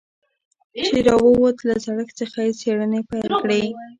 چې راووت له زړښت څخه يې څېړنې پيل کړې.